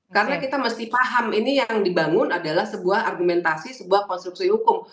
karena kita mesti paham ini yang dibangun adalah sebuah argumentasi sebuah konstruksi hukum